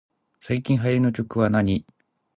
最近流行りの曲はなに